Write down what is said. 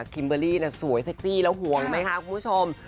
คิมเบอร์รี่สวยเซ็กซี่แล้วห่วงไหมคะคุณผู้ชม